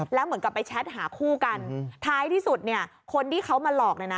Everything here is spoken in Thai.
แล้วเหมือนกับไปแชทหาคู่กันท้ายที่สุดเนี่ยคนที่เขามาหลอกเนี่ยนะ